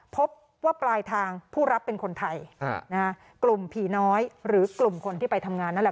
พบว่าปลายทางผู้รับเป็นคนไทยกลุ่มผีน้อยหรือกลุ่มคนที่ไปทำงานนั่นแหละ